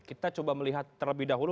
kita coba melihat terlebih dahulu